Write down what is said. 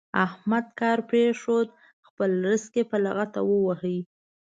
احمد کار پرېښود؛ خپل زرق يې په لغته وواهه.